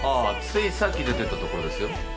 ついさっき出てったところですよ。